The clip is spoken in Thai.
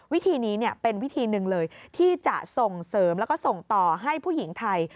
วิธีนี้เป็นวิธีหนึ่งเลยที่จะส่งเสริมแล้วก็ส่งต่อให้ผู้หญิงไทย